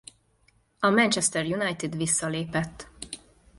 A Manchester United visszalépett.